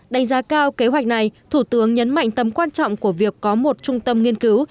đánh giá cao kế hoạch này thủ tướng nhấn mạnh tầm quan trọng của việc có một trung tâm nghiên cứu